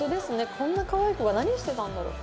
こんな可愛い子が何してたんだろう？